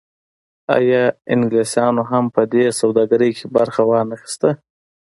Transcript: آیا انګلیسانو هم په دې سوداګرۍ کې برخه ونه اخیسته؟